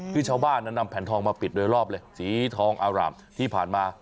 คือชาวบ้านนั้นนำแผ่นทองมาปิดโดยรอบเลยสีทองอารามที่ผ่านมา